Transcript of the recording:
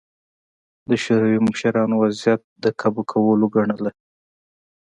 د شوروي مشرانو وضعیت د کابو کولو ګڼله